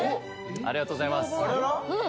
ありがとうございますうん！